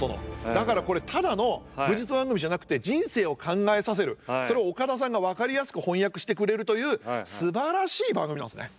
だからこれただの武術番組じゃなくて人生を考えさせるそれを岡田さんが分かりやすく翻訳してくれるというすばらしい番組なんですね。